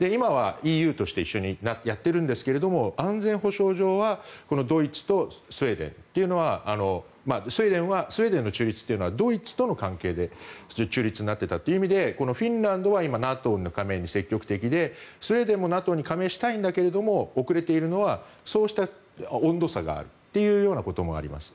今はＥＵとして一緒にやっているんですけれども安全保障上はドイツとスウェーデンというのはスウェーデンの中立というのはドイツとの関係で中立になっていたという意味でフィンランドは今、ＮＡＴＯの加盟に積極的で、スウェーデンもＮＡＴＯに加盟したいんだけども遅れているのはそうした温度差があるということもあります。